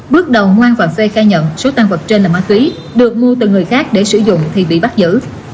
bước đầu ngoan và phê khai nhận số tan vật trên là ma túy được mua từ người khác để sử dụng thì bị bắt giữ